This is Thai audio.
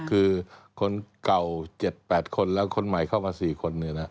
คือคนเก่า๗๘คนแล้วคนใหม่เข้ามา๔คน